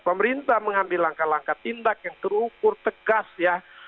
pemerintah mengambil langkah langkah tindak yang terukur tegas ya